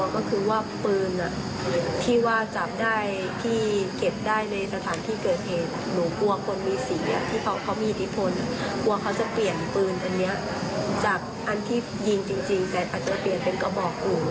มันจะเปลี่ยนปืนอันนี้จากอันที่ยิงจริงแต่อาจจะเปลี่ยนเป็นกระบอกกลุ่ม